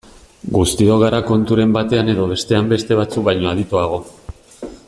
Guztiok gara konturen batean edo bestean beste batzuk baino adituago.